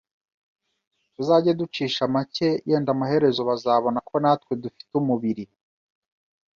Tuzajye ducisha make yenda amaherezo bazabona ko na twe dufite umubiri.